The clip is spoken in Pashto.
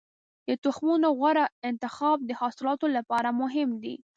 د تخمونو غوره انتخاب د حاصلاتو لپاره مهم دی.